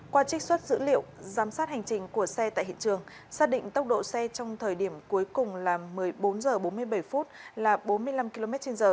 qua trích xuất dữ liệu giám sát hành trình của xe tại hiện trường xác định tốc độ xe trong thời điểm cuối cùng là một mươi bốn h bốn mươi bảy là bốn mươi năm km trên giờ